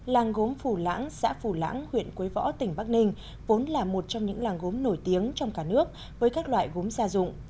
làng gốm phủ lãng xã phù lãng huyện quế võ tỉnh bắc ninh vốn là một trong những làng gốm nổi tiếng trong cả nước với các loại gốm gia dụng